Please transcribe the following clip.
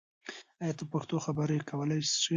آیا ته په پښتو خبرې کولای شې؟